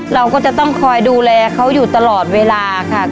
เราก็จะต้องคอยดูแลเขาอยู่ตลอดเวลาค่ะ